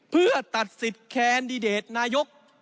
เพื่อตัดสิทธิ์แคนดิเดตนายก